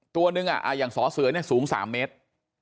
ตัวหนึ่งอย่างสอเสือสูง๓เมตร